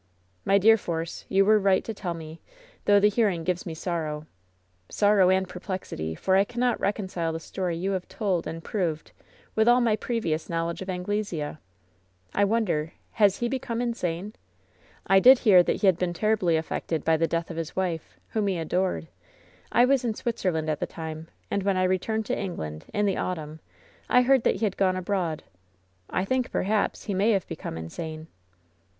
"My dear Force, you were right to tell me, though the hearing gives me sorrow — sorrow and perplexity, for I cannot reconcile the story you have told and proved with all my previous knowledge of Anglesea. I won der, has he become insane ? I did hear that he had been terribly affected by the death of his wife, whom he adored. I was in Switzerland at the time, and when I returned to England, in the autumn, I heard that he had gone abroad. I think, perhaps, he may have become insane."